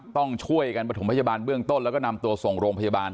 ต้องช่วยกันประถมพยาบาลเบื้องต้นแล้วก็นำตัวส่งโรงพยาบาล